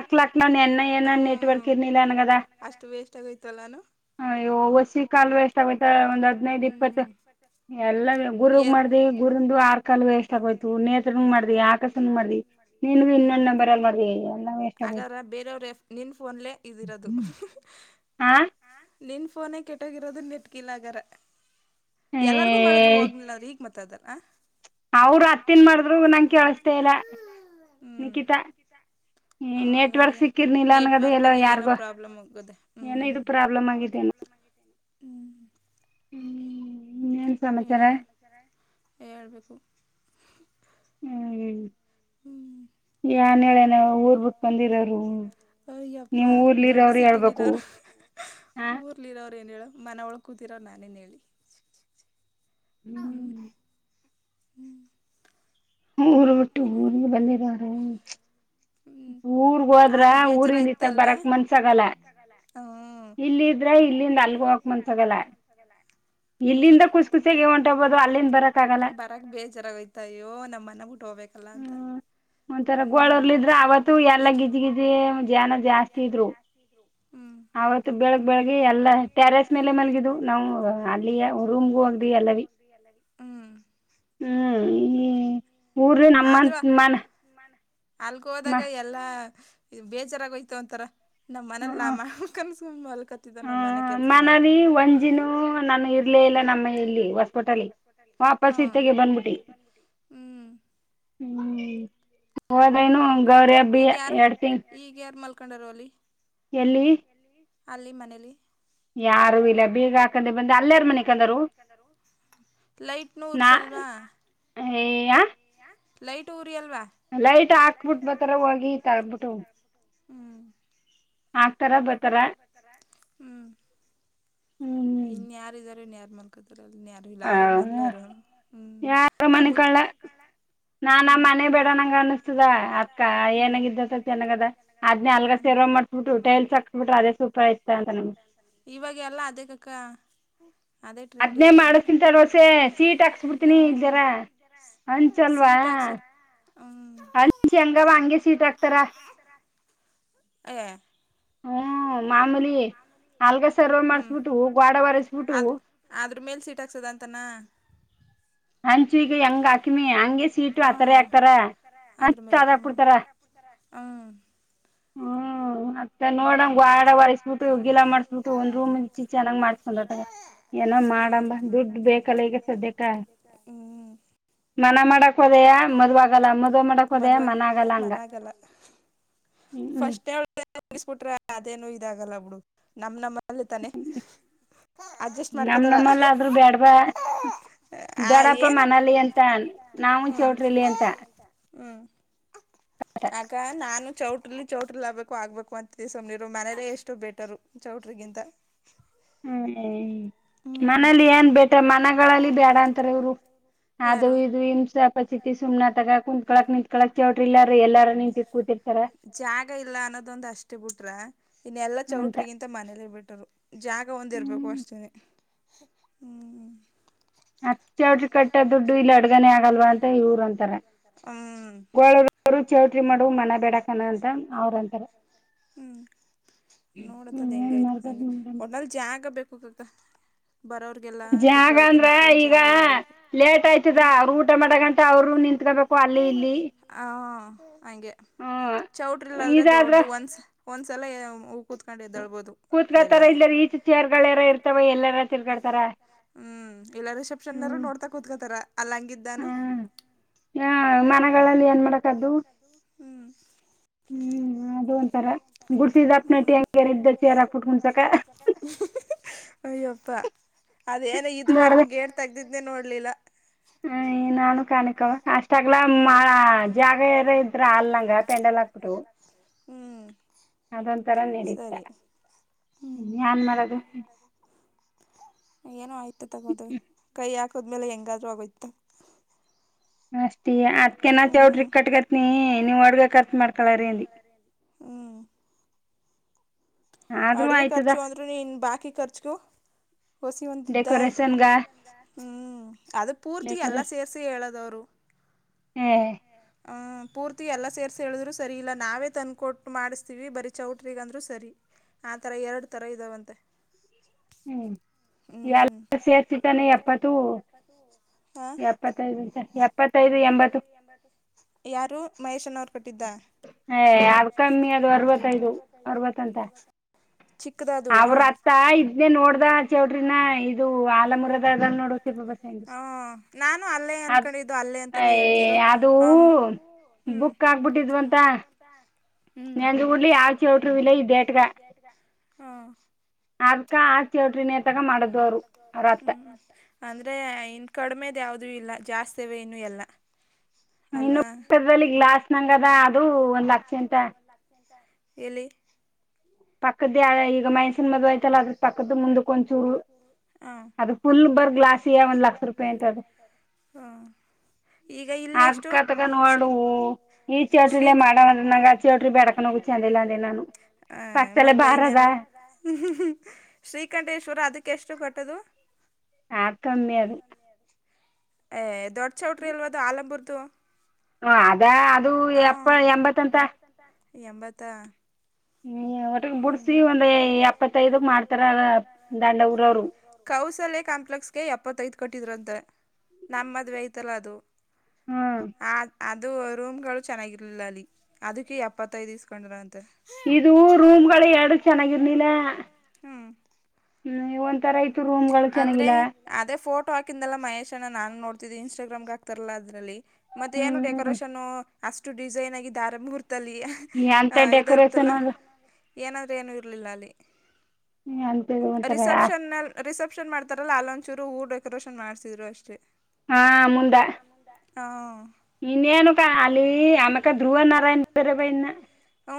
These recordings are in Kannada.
ಅಕ್ಲಾಕ್ ಲನ ಎನ್ನ ಏನ ನೆಟ್ವರ್ಕ್ ಇಲ್ಲಾ ನನಗ ಅದ ಹ ಹೊಸಿ ಕಾಲುವೆ ಸಮೇತ ಒಂದ್ ಹದಿನೈದ ಇಪ್ಪತ್ತು ಎಲ್ಲಾ ಗುರಗ್ ಮಾಡ್ದಿ ಗುರಂದು ಆರ್ ಕಾಲು ವೇಸ್ಟ್ ಆಗೋಯ್ತು ನೇತ್ರ ಮಾಡ್ದಿ ಆಕಾನ ಮಾಡ್ದಿ ನೀನು ಇನ್ನೊಂದು ನಂಬರ್ ಅ ಮಾಡಿಲ್ಲ [unintelligible] ಹಾಗಾರ ಬೇರೆಯವ್ರ ಎ ನಿನ್ನ ಫೋನ್ ಲ್ಲೇ ಇದಿರೋದು. ಹಾ ನಿನ್ ಫೋನೇ ಕೆಟೋಗಿರೋದು ನೇಟ್ ಗಿಲಾಗರ್ ಎಲ್ಲಾರ್ಗೂ ಮಾಡದು ಹೋಗ್ನಿಲ್ಲ ಲಿಕ್ ಮತ ಅದ ಅವರು ಆತ್ತಿಂದನ್ ಮಾಡಿದ್ರು ನಂಗೆ ಕೇಳಸ್ತೇ ಇಲ್ಲಾ ನಿಕಿತಾ. ನೆಟ್ವರ್ಕ್ ಸಿಕ್ಕಿರ್ನಿಲ್ಲ ಅನ್ಗದು ಎಲ್ಲೋ ಯಾರಿಗೋ ಏನು ಇದು ಪ್ರಾಬ್ಲಮ್ ಆಗಿದೆಯೇ ನ್ ಪ್ರಾಬ್ಲಮ್ ಆಗೈತೆ ನು ಹುಂ ಏನ್ ಸಮಾಚಾರಾ ಹ ಹೇಳ್ಬೇಕು ಹ್ ಹೇಳಿ ಹುಂ ಎನ್ ಹೇಳ ಅಯ್ಯಪ್ಪಾ ದೊಡ್ಡ ಸಿಟಿಲಿ ಇದ್ದೋರು. ಹಾ ಲಿರೋ ಏ ಹೇಳು ಮನೆ ಒಳಗ ಕೂತಿರೋ ನಾನೇನ್ ಹೇಳಿ ಹುಂ ಊರ್ ಬಿಟ್ಟು ಊರಿಗೆ ಬಂದಿರಾರ. ಊರ್ಗ ಹೋದ್ರ ಊರಿಂದ ಇತ್ತ ಬರಕ್ ಮನಸ್ಸಾಗಲಾ ಇಲ್ಲಿ ಇದ್ರೆ ಇಲ್ಲಿಂದ ಅಲ್ಲಿಗೆ ಹೋಗಕ ಮನಸ್ಸಾಗಲ್ಲ ಹ್ಮ ಬರಕ್ ಬೇಜಾರಾಗೋಯ್ತಾ ಅಯ್ಯೋ ನಮ್ ಮನ ಬಿಟ್ಟ ಹೋಗ ಹೋಗಬೇಕಲ್ಲ ಅಂತಾ ಹುಂ ಕುಕ್ಕವಾಡರ್ಲಿದ್ರರು ಅವತ್ತು ಎಲ್ಲಾ ಗಿಜಿಗಿಜೆ ಜನ ಜಾಸ್ತಿ ಇದ್ರು ಹುಂ ಆವತ್ತ ಬೆಳಗಬೆಳಗ್ಗೆ ಎಲ್ಲಾ ಟ್ಯಾರಸ್ ಮೇಲೆ ಮಲಗಿದ್ವು ನಾವು ಅಲ್ಲಿಗೆ ಹ ಹೋಗ ಎಲ್ಲಾ ಹುಂ ಹುಂ ಈ ಆದ್ರೂ ಅಲ್ಲಿಗೋದಾಗ ಎತ್ ಎಲ್ಲಾ ಬೇಜಾರಾಗೋಯ್ತಾವ ಒಂತಾರ ನಮ್ಮ್ ಮನೇಲ್ ನಾ ಮಾಡ್ಬೇ ಮಲ್ಕತ್ತಿದ ನಮ್ಮ್ ಮನೆ ಕೆಲ್ಸಾ ಮಾಡ್ಕೊಂಡು ಇಲೇ ಇಲ್ಲ ನಮ್ಮಲ್ಲಿ ಹೊಸ್ಪೋಟಲ್ಲಿ ಹ ಹುಂ ಹ್ಮ್ ಹೌದೇನು ಗೌರಿ ಹಬ್ಬಿ ಎರಡ್ ತಿಂಗಳ ಈಗ ಯಾರು ಮಲ್ಕೊಂಡರ ಅಲ್ಲಿ ಎಲ್ಲಿ ಅಲಿ ಮನೇಲಿ ಯಾರು ಇಲ್ಲಾ ಬೀಗ ಹಾಕಿದ ಮತ ಅಲ್ಲಾರ ಮಲಕೋಂಡಾರು ಲೈಟ್ ಇನೂರ ಸಲ್ವಾ ಹೇ ಲೈಟು ಊರಿ ಅಲ್ವಾ ಲೈಟ್ ಆಕ್ ಬೀಟು ಹೋಡ ಹುಂ ಹಾ ಆತರ ಬರ್ತಾರ ಹ್ಮ್. ಹ್ಮ್. ಇನ್ ಯಾರ್ ಇದಾರೆ ಇನ್ ಯಾರ್ಮನ್. ಕದುರಲ್ ಯಾರು ಇಲ್ಲ ಅವ್ರವ್ರ್ ಮನ್ಲ್ ಅವ್ರು ಹಾ ಮುದ್ ಹ್ಮ್ಮ್ ನಾ ನಮ್ ಮನೆ ಬೇಡ್ವನಂಗ್ ಅನಿಸ್ತಿದೇ ಹ್ಮ್ ಅಕ್ಕ ಏನಾಗಿದತ ಚೆನ್ನಾಗದಳೆ ಅದ್ನೇ ಚಲ ಮಾಡ್ಸಬುಟು ಟೈಲ್ಸ್ ಹಾಕ್ಸ್ಬುಟು ಅದೇ [unintelligible] ಅಂತನೆ ಇವಾಗೆಲ್ಲ ಅದೇ ಕಕ್ಕ. ಅದೇ ಟ್ರೆಂಡ್ ಈವಾಗ ಅದ್ನೇ ಮಾಡುಸ್ತೀನ್. [unintelligible] ಸೀಟ್ ಹಾಕ್ಸಿರ್ ಹ್ಮ್ ಅಂಟ್ಕೆಂದವ ಅಂಗೆ ಸೀಟ್ ಅಕ್ತರ. [inaudible] ಹಾ ಮಾಮೂಲಿ ಹಲ್ಗ ಸರ್ವೆ ಮಾಡ್ಸ್ಬಿಟ್ಟು ಗ್ವಡೆ ವರಿಸ್ಬೂಟು. ಆದ್ರ ಮೇಲ್ ಸೀಟ್ ಹಾಕ್ಸದಂತನ. ಹಂಚು ಈಗ ಹೆಂಗ್ ಹಾಕಿನಿ ಹಂಗೆ ಸೀಟು ಆತರ ಹಾಕ್ತಾರ ಹಂಚ್ ಅದಾಕ್ಬುಡ್ತಾರಾ. ಹ್ಮ. ಹ್ಮ್ ಹುನಪ್ ನೋಡಂನ್ ಗೋಡೆ ವರಿಸ್ಬುಟ್ಟು ಗಿಲಾವ್ ಮಾಡ್ಸ್ಬಿಟ್ಟು ಒಂದ್ ರೂಮಿನ್ ಚಿಚನಂಗ್. [unintelligible] ಏನ ಮಾಡಮ ದುಡ್ ಬೇಕಲ್ಲ ಈಗ ಸದ್ಯಕ್ಕ. ಹ್ಮ್. ಮನ ಮಾಡಕೊದೆಯಾ ಮದ್ವಗಲ್ಲ ಮದ್ವೆ ಮಾಡಕ್ ಹೋದೆಯ ಮನಗಲ್ಲ ಹಂಗ. ಫಸ್ಟ್. [inaudible] ತಿಳಿಸಬಿಟ್ರೇ ಅದೇನು ಇದಾಗಲ್ಲ ಬಿಡು ನಮ್ ನಮ್ಮಲ್ಲಿ ತಾನೆ. ಅಜಿ. ನಮ್ ಮನೇಲಾದ್ರು ಬ್ಯಾಡವಾ ಬೇಡಪ ಮನೇಲಿ. ನಾವು ಚೌಟ್ರಿಲಿ ಅಂತ. ಹ್ಮ್ ಆಗ ನಾನು ಚೌಟ. ಇಲ್ಲಿ ಚೌಟ್ರಿಲ್ ಆಗ್ಬೇಕು ಆಗ್ಬೇಕು ಅಂತ ಸುಮ್ನೀರು ಮನೇಲ್ಲೇ ಎಷ್ಟು ಬೆಟರು ಚೌಟ್ರಿಗಿಂತ. ಹ್ಮ ಮನೇಲಿ ಏನ್ ಬೇಟ್ರ ಮನೆಗಳಲ್ಲಿ ಬೇಡ ಅಂತಾರವ್ರು. ಅದು ಇದು ಹಿಂಸಪಚಿತಿ ಸುಮ್ ತಗ ಕುಂತ್ಕಳಕ್ ನಿಂತ್ಕಳಕ್ ಚೇವಟ್ರ ಇಲ್ಲಾರ ಎಲ್ಲಾರು ನಿಂತ ಕೂತಿರ್ತಾರೇ. ಜಾಗ ಇಲ್ಲ ಅನ್ನೋದೊಂದ ಅಸ್ಟ್ಬಿಟ್ರೆ ಇನ್ನ ಎಲ್ಲಾ ಚೌಟ್ರಿಗಿಂತ್. ಗಿಂತ ಮನೇಲೆ ಬೆಟರು ಜಾಗ ಒಂದಿರ್ಬೇಕು ಅಷ್ಟೇ ಹ್ಮ್. [unintelligible] ಕಟ್ಟ ದುಡ್ಡು ಇಲ್ ಅಡ್ಗನೆ ಆಗಲ್ವಾ ಅಂತ ಇವರು ಅಂತಾರ. ಅವ್ರುನ್ ಚೌಟ್ರಿನ್ ಮಾಡುವ ಮನೆ ಬೇಡಕಣ ಅಂತ ಅವ್ರಂತರೆ. ಹ್ಮ್. ನೋಡದ ಅದ್ ಹೆಂಗಯ್ತ ಹಂಗೆ ಒಟ್ನಲ್ಲ ಜಾಗ ಬೇಕುಲ್ ತಾ ಬರೋ್ರ ಜಾಗ ಅಂದ್ರ ಈಗ ಲೇಟ್ ಆಯ್ತದ ಅವ್ರ್ ಊಟ ಮಾ. ಡ ಗಟ ಅವರು ನಿತ್ಕೋಬೇಕು ಹ ಹಂಗೆ ಚೌಟ್ರಿಲ್ಲಾದ್ರೆ ದೊಡ್ದ ಒನ್ಸ್. ಒಂದ್ಸಲ ಎಂ ಕೂತ್ಕೊಂಡ್ ಎದ್ದಳ್ಬೋದು. ಕೂತ್ಕೋತರ ಇಲ್ಲರ್ ಈಚ್ಗ್. ಹ್ಮ್ ಇಲ್ಲಾ ರಿಸೆಪ್ಷನರು ನೋಡ್ತಾ ಕುತ್ಕೋತಾರ. ಅಲಂಗಿದಾನು. ಹೇ ಮನೆಗಳಲ್ ಏನ್ ಮಾಡಕದ್ದು. ಹ್ಮ್. ಹ್ಮ್ ಅದೆ ಒಂತರ. ಹ್ಮ್ [inaudible] ಅಯ್ಯಪ್ಪ. ಅದು ಏನ ಇದುವರಿಗೂ ಗೇಟ್ ತೆಗ್ದಿದ್ನೆ ನೋಡ್ಲಿಲ್ಲ. ಹ್ಮ. [unintelligible] ಕಾಣಿಕವ ಅಷ್ಟ ಅಗಲಾ ಜಾಗ ಎನ ಇದ್ರ ಅಲ್ಲಂಗ ಪೆಂಡಲ ಹಾಕ್ಬಿಟ್ಟು. ಹು ಅದೊಂತರ ನಡೀತ ಯಾನ್ ಮಾಡದು. ಏನೋ ಆಯ್ತು ತಗೋದು ಕೈ ಹಾಕದ್ಮೇಲೆ ಹೆಂಗಾದ್ರು ಆಗೋಯ್ತ. ಅಷ್ಟೇ ಅದಕ್ಕೆ ನಾ ಚೌಟ್ರಿ ಕಕ್ಟೊತೀನಿ ನಿವ ವಡದ ಕಟ್ಟಮಾಡತಾಳರಿ ಅಂದಿ. ಅಡುಗೆ ಖರ್ಚು ಅಂದರೂ ಇನ ಬಾಕಿ ಖರ್ಚಗೂ ಹಸಿ ಹೊಂದಿದ್ದ. ಹು ಅದು ಪೂರ್ತಿಗ ಎಲ್ಲಾ ಸೇರ್ಸಿ ಹೇಳದವರು. ಹೆ ಅ ಪೂರ್ತಿ ಎಲ್ಲಾ ಸೇರ್ಸಿ ಹೇಳಿದ್ರು ಸರಿ ಇಲ್ಲಾ ನಾವೇ ತಂದುಕೊಟ್ಟು ಮಾಡಿಸ್ತೀವಿ ಬರೀ ಚೌಟ್ರಿಗೆ ಅಂದರೂ ಸರಿ. ಆ ತರಾ ಎರಡು ತರಾ ಇದ್ದಾವಂತೆ. ಹು ಎಲ್ಲ ಸೇರ್ಸಿತಾನೆ ಎಪ್ಪತ್ತು ಎಪ್ಪತೈದು. ಇಪ್ಪತ್ತೈದು ಎಂಬತ್ತು. ಯಾರು ಮಹೇಶ್ ಅನ್ನೋರು ಕಟ್ಟಿದ್ದ. ಹೈ ಅದ ಕಮ್ಮಿ ಅದು ಅರವತ್ತೈದು ಅರವತ್ತ ಅಂತ. ಅವರ ಅತ್ತ ಇದ್ನೇ ನೋಡ್ದ ಚೌಟ್ರಿನ ಇದು ಆಲಮರದ ನೋಡತಿ ಬಸ್. ಹು ನಾನು ಅಲ್ಲೇ ಅಂದಕಡಿದ್ದು ಅಲ್ಲೇ ಅಂತಾನೇ ಹೇಳ್ತಿದರು. ಹಂ ಹು ಹು ತಂದಗೊತ್ಲೆ ಯಾವ ಚೌಟ್ರಿ ಇಲ್ಲಾ ಇಲ್ಲೆ ಇಟ್ಕೋ ಹಾ ಅಕ್ಕಾ ಆಸ್ತಿ ಹೋಯ್ತ್ದೆ ಅಂತಾನೂ ಮಾಡದವರು ಮತ್ತ ಹು. ಅಂದ್ರೆ ಇನ್ ಕಡಿಮೆದ ಯಾವುದೂ ಇಲ್ಲಾ ಜಾಸ್ತಿವೆನು ಎಲ್ಲಾ. ಅಲ್ವಾ ಸಾಳ್ವಲಿಗೆ ಲಾಸ್ನಂಗದ ಅದು ಒಂದ್ ಹತ್ತ ನಿಮಿಷ. ಎಲ್ಲಿ. ಪಕ್ಕದಿ ಆಗ ಈಗ ಮಹಿಸನ ಮದ್ವೇ ಆಯ್ತಲ್ಲ ಅದಕ್ಕೆ ಪಕ್ಕದ ಮುಂದಕ್ಕೆ ಒಂಚೂರು ಅದ. ಅದ ಫುಲ್ ಬರ್ ಗ್ಲಾಸ್ಗೆ ಒಂದ್ ಲಕ್ಷ ರೂಪಾಯಿ ಆಐ್ತದೆ ಹ. ಅದಕ ತಗೋ ನೋಡು ಈ ಚೌಟ್ರಿಲೇ ಮಾಡಂದ ಆತ. ಚೌಟ್ರಿ ಬ್ಯಾಡಕನೋ ಚೆಂದಿಲ್ಲಾಂದೆ ನಾನು ಪಕ್ಕದಲ್ಲೇ ಬಾರ ಅದ. ಹು ಹು ಶ್ರೀಕಂಠೇಶ್ವರ ಅದಕ್ಕೆ ಎಷ್ಟು ಕೊಟ್ಟದು. ಯಾಕಮ್ಮಿ ಅದು. ಏ ದೊಡ್ಡ ಚೌಟ್ರಿ ಅಲ್ವದು ಆಲಂಬುರ್ದು. ಹಾ ಅದ ಅದು ಎಪ್ಪ ಎಂಬತ್ತಂತ. ತಂತ ಎಂಬತ್ತಾ. ಹು ಹೊರಗ ಬಿುಡ್ಸಿ ಒಂದ ಎಪ್ಪತ್ತೈದ ಮಾಡ್ತಾರ ದಾಂಡಉರೋರು. ಕೌಸಲ್ಯ ಕಾಂಪ್ಲೆಕ್ಸ್ಗೆ ಎಪ್ಪತ್ತೈದು ಕೊಟ್ಟಿದರಂತೆ ನಮ್ಮ ಮದುವೆ ಆಯ್ತಲ್ಲ ಅದು. ಆ ಅದ. ಅದು ರೂಮ್ಗಳು ಚೆನ್ನಾಗಿರ್ಲಿಲ್ಲಾ ಅಲ್ಲಿ ಅದಕ್ಕೆ ಎಪ್ಪತ್ತೈದು ಇಸ್ಕೊಂಡ್ರ ಅಂತೆ. ಇದು ರೂಮ್ ಗಳು ಎರಡು ಚೆನ್ನಾಗಿರ್ಲಿಲ್ಲ ಹು ಒಂದ್. ತರಾ ಐತ ರೂಮ್ಗಳು ಚೆನ್ನಾಗಿಲ್ಲಾ. ಅದೇ ಫೋಟೋ ಹಾಕಿಂದ್ನಲ್ಲಾ ಮಹೇಶ ಅಣ್ಣಾ ನಾನು ನೋಡ್ತಿದಿ ಇನ್ಸ್ಟಾಗ್ರಾಮ್ಗೆ ಹಕ್ತಾರಲ್ಲಾ ಅದ್ರಲ್ಲಿ. ಮತ್ತೆ ಏನು ಡೆಕೋರೇಷನು ಅಷ್ಟು ಡಿಸೈನ್ ಆಗಿರ್ತಾ ಮೂಹರ್ತಲ್ಲಿ. ಹ ಇದ ಇರ್ತಲ್ಲ ಏನಾದ್ರೂ ಏನು ಇರ್ಲಿಲ್ಲಾ ಅಲ್ಲಿ. ರಿಸೆಪ್ಷನ್ ನಲ್. ರಿಸೆಪ್ಷನ್ ಮಾಡ್ತಾರಲ್ಲ ಅಲೊಂಚೂರು ಹೂ ಡೆಕೋರೇಷನ್ ಮಾಡ್ಸಿದ್ರು ಅಷ್ಟೇ ಹ ಮುಂದ. ಹಾ ಇನ್ನೇಏನು ಕ ಆಮಕ ಧ್ರುವ ನಾರಾಯಣ ಪೇರಬ ಇನ್ನ. ಹೂ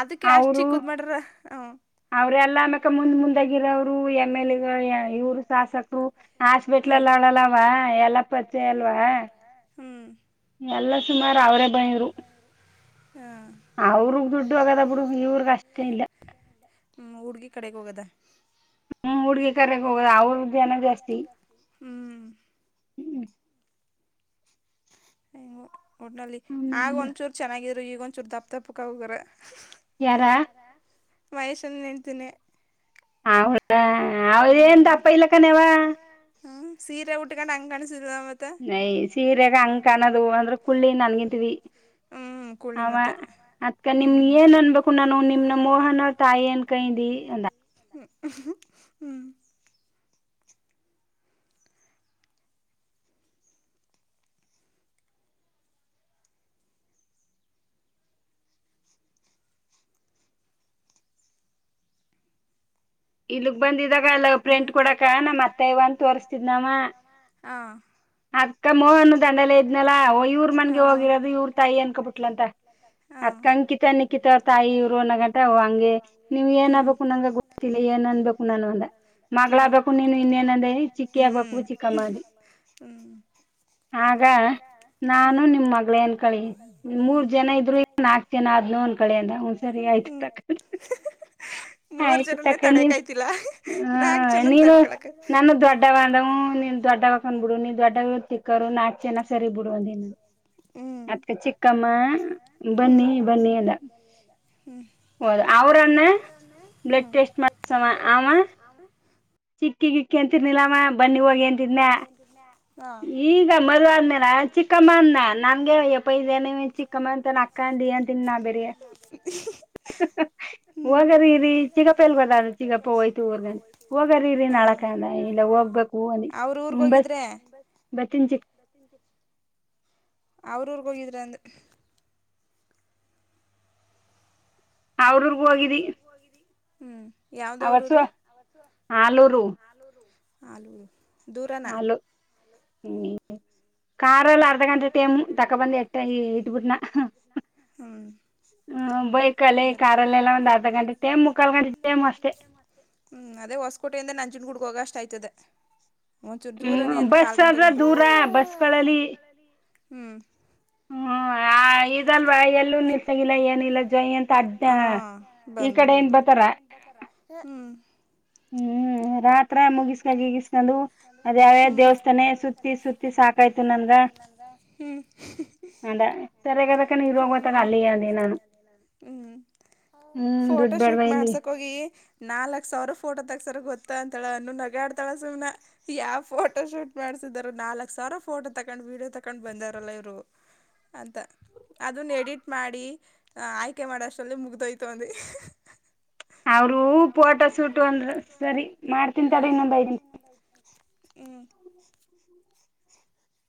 ಅದಕ್ಕೆ ಅಷ್ಟು ಚಿಕ್ಕದು ಮಾಡ್ಯಾರ ಹ. [unintelligible] ಅವರ ಎಲ್ಲ ಅನಕ ಮುಂದ್ ಮುಂದಾಗಿರೋವ್ರು ಎಮ್ ಎಲ್ ಎ ಗಳ ಯಾ ಇವರು ಶಾಸಕರು [unintelligible] ಹಾಸ್ಪಿಟ್ಲ್ ಅನಲ್ಲವಾ ಎಲ್ಲ ಪರಚೆ ಅಲ್ವಾ. [unintelligible] ಹೂ. [unintelligible] ಎಲ್ಲ ಸುಮಾರು ಅವರೇ ಬಂದರು. [unintelligible] ಅವರಗ್ ದುಡ್ಡು ಹೋಗದ ಬಿುಡು ಇವರಗ್ ಅಷ್ಟೇ ಇಲ್ಲ. [unintelligible] ಹೂ ಹುಡ್ಗಿ ಕಡೆಗ ಹೋಗದ. [unintelligible] ಹು ಹುಡುಗಿ ಕಡೆಗ ಹೋಗ ಅವರ ಜನ ಜಾಸ್ತಿ ಹೂ. [inaudible] [unintelligible] [unintelligible] ಹೇಗೋ ಒಟ್ಟನಲ್ಲಿ ಆಗ ಒಂದಚೂರು ಚೆನ್ನಾಗಿರ [unintelligible] ಈಗ ಒಂದಚೂರು ದಪ್ ದಪ್ಪಕ್ ಆಗಿಹೋಗ್ಯಾರ ಯಾರ್ ಮಹೇಶಣ್ಣ ಹೆಂಡತಿನೆ. [unintelligible] ಹೌದಾ ಅವರೇನ್ ದಪ್ಪ ಇಲಕ್ಕನೆವ. [unintelligible] ಹ ಸೀರೆ ಉಟ್ಕೊಂಡು ಹಂಗ್ ಅನಿಸಿದರು. ಮ [unintelligible] ಮತ್ತ ಹೂ ಕುಳ್ಳಿ ಮತ್ತೆ. [inaudible] [unintelligible] ಅಕ್ಕ ನಿಮನ ಏನ್ ಅನ್ಬೇಕು ನಾನು ನಿಮ್ಮನಾ ಮೋಹನ ಅವರ ತಾಯಿ ಅಂಕೋದಿವಿ ಅಂದ. [unintelligible] ಹೂ. [inaudible] [unintelligible] ಇಲ್ಲಿಗ ಬಂದಿದಾಗ ಅಲ್ಲವ ಪ್ರಿಂಟ್ ಕೊಡಕ ನಮ್ಮ ಅತ್ತೆ ಇವ ಅಂತ ತೋರ್ಸ್ತಿದ್ನವ. [unintelligible] ಅದಕ್ಕ ಮೋಹನ ದಂಡೇ ಇದ್ನಲ್ಲಾ ಇವ್ರ ಮನ್ಗೆ ಹೋಗಿರೋದು ಇವರ ತಾಯಿ ಅನ್ಕೋಬಿಟ್ಲ ಅಂತ. [unintelligible] ಆ ಕಣ್ಣಕಿತ ನಿಕ್ಕಿತವರ ತಾಯಿ ಇವ್ರು ಅನ್ನಗಂಟ ಹಂಗೆ ನೀವ್ ಏನ್ ಆಬೇಕು ನಂಗ ಗೊ [unintelligible] ತ್ತಿಲ್ಲ ಏನ್ ಅನ್ಬೇಕು ನಾನ್. [unintelligible] ನಾನೇ ಮಗಳಗ್ಬೇಕು ನೀನು ಇನ್ನೇನ ಅಂದೆ ಚಿಕ್ಕಿ ಆಬೇಕು ಚಿಕ್ಕ ಮಾಡಿ. [unintelligible] ಆಗ ನಾನು ನಿಮ್ಮ ಮಗಳೇ ಅನಕೊಳಿ ನಿಮ್ಮ ಮೂರ್ ಜನ ಇದ್ರ [unintelligible] ನಾಲ್ಕು ಜನ ಆದನೂ ಅಂದಕೊಳ್ಳೇನು ಹೂ ಮೂರ್ ಜನ. [inaudible] [unintelligible] ನೆ ತಡೆ ಕಾಯತಿಲ್ಲ. [unintelligible] ನಾಲ್ಕ ಜನಾನ ತಡ್ಕಳಕ್ [inaudible] [unintelligible] ಹೂ ಹೂ [inaudible] [unintelligible] ಹೂ. [inaudible] [unintelligible] ಹೋದ ಅವ್ರನ್ನ ಬ್ಲಡ್ ಟೆಸ್ಟ್ ಮಾಡಸ ಆವ. [unintelligible] ಆವ. [unintelligible] ಇಕ್ಕಿಗಿಕ್ಕಿ ಅಂತಿರ್ನಿಲ್ಲಮ್ಮ ಬನ್ನಿ ಹೋಗಿ ಅಂತಿದ್ನ. ಈಗ [unintelligible] ಮರುವಾದ್ಮೇರ ಚಿಕ್ಕಮ್ಮನ್ನ ನ [inaudible] [unintelligible] ಚಿಕ್ಕಮ್ಮ ಅಂತನ್ ಅಕ್ಕ ಅಂದಿಯಾ ಅಂತೀನಿ ನಾ ಬೆೇರೆ ಹೊಗೋನಾ ರಿ. [unintelligible] ಚಿಕಪ್ಪ ಎಲ್ಲ ಬಂದಾನ ಚಿಕಪ್ಪ ಹೋಯ್ತು ಊರ್ ಹೋಗೋನಾ ಇರಿ ನಾಳಕಾನ ಇಲ್ಲ ಹೋಗ್ಬೇಕು ಅನೀ. [unintelligible] ಅವರ ಊರಗೇ ಹೋಗಿದ್ರೆ. [unintelligible] ಅವರ ಊರಗೆ ಹೋಗಿದ್ರ ಅಂದೆ. [unintelligible] ಅವರ ಊರಗ ಹೋಗಿದ್ದಿ. [unintelligible] ಹು ಯಾವದ ಅವರ ಊರು. [unintelligible] ಹಾಲು ಹೂ ಕಾರ ಅಲ್ಲ. [unintelligible] ಕಾರ ಅಲ್ಲಿ ಅರ್ಧ ಗಂಟೇ ಟೈಮ್ ತಕ್ಕಬಂದ ಎತಿನ್ನ ಹ. [inaudible] [unintelligible] ಹ ಬೈಕ್ ಅಲ್ಲಿ ಕಾರಲ್ಲೆಲ್ಲ ಒಂದು ಅರ್ಧ ಗಂಟೆ ಟೇಮ್ ಮುಕ್ಕಾಲ್ ಗಂಟೆ ಟೇಮ್ ಅಷ್ಟೆ. [unintelligible] ಹೂ ಅದೇ ಹೊಸಕೋಟೆಯಿಂದ ನಂಜುಗುಡ ಹೋಗಷ್ಟ ಆಯ್ತದೆ. [unintelligible] ಹೂ ಬಸ್ ಆದರ ದೂರ ಬಸ್ಸಗಳಲ್ಲಿ. [unintelligible] ಹೂ. [unintelligible] ಹೂ ಆ ಇದ. [unintelligible] ಹ ಬಂದಬಿಡ್ಬುದು ಈ ಕನ್ತಾರ [inaudible] [unintelligible] ಹ್ಮ ಹ್ಮ್ [inaudible] ಹ್ಮ್, ರಾತ್ರಿ ಹತ್ರ ಮುಗಿಸ್ಕಂಡಗಿಸ್ಕೊಂಡು ಅದ ಯಾವ ದೇವಸ್ಥಾನೆ ಸುತ್ತಿ ಸುತ್ತಿ ಸಾಕಾಯ್ತು ನನ್ಗ. ಅದಾ ಸರಿಯಾಗಿದ ಇರೋಗೋತ್ತಾಗ ಅಲ್ಲಿಯ ಅದ ನಾನು [unintelligible] ಹ್ಮ್, ಹ್ಮ್ ಫೋಟೋ ಶೂಟ್ ಮಾಡ್ಸಕ್ ಹೋಗಿ ನಾಲ್ಕ್ ಸಾವಿರ ಫೋಟೋ ತಕ್ಸರ ಗೊತ್ತಾ ಅಾಳ [unintelligible] ನಗಾಡ್ತಳ ಸುಮ್ನಾ ಯಾವ್ ಫೋಟೋ ಶೂಟ್ ಮಾಡ್ಸಿದಾರ ನಾಲ್ಕ್ ಸಾವಿರ ಫೋಟೋ ತಕೊಂಡ್ ವೀಡಿಯೋ ತಕೊಂಡ್ ಬಂದಾರಲ್ಲಾ ಇವ್ರು. ಅಂತ [inaudible] ಅದನ್ನ ಎಡಿಟ್ ಮಾಡಿ ಆಯ್ಕೆ ಮಾಡೋಷ್ಟಲ್ಲಿ ಮುಗ್ದೋಯ್ತು ಅದು. ಅವ್ರು ಫೋಟೋ ಸೂಟು ಅಂದ್ರು ಸರಿ ಹ್ಮ ಹ್ಮ್ [unintelligible] [inaudible]